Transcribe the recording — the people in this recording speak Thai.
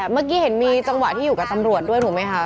เมื่อกี้เห็นมีจังหวะที่อยู่กับตำรวจด้วยถูกไหมคะ